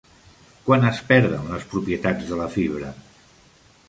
Quan es perden les propietats de la fibra?